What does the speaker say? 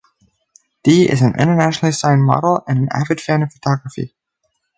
Dee is an internationally signed model and an avid fan of photography.